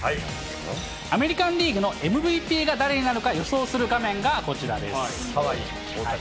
アメリカンリーグのＭＶＰが誰になるか予想する画面がこちらです。